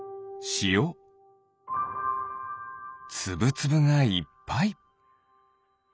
つぶつぶがいっぱい。